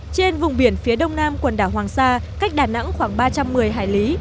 trên vùng biển phía đông nam quần đảo hoàng sa cách đà nẵng khoảng ba trăm một mươi hải lý